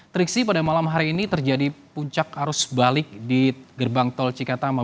triksi pada malam hari ini terjadi puncak arus balik di gerbang tol cikatama